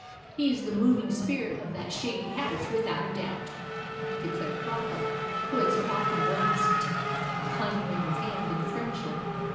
He is the moving spirit of that shady house, without a doubt," declared Flockart, who had so often grasped the blind man's hand in friendship.